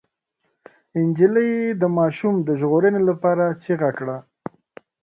نجلۍ د ماشوم د ژغورنې لپاره چيغه کړه.